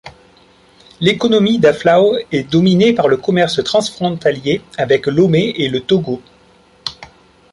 L'économie d'Aflao est dominée par le commerce transfrontalier avec Lomé et le Togo.